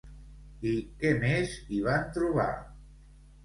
I què més hi van trobar?